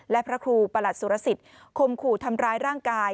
และพระครูประหลัดสุรสิทธิ์คมขู่ทำร้ายร่างกาย